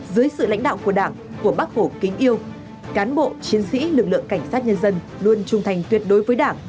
dưới sự lãnh đạo của đảng của bác hổ kính yêu cán bộ chiến sĩ lực lượng cảnh sát nhân dân luôn trung thành tuyệt đối với đảng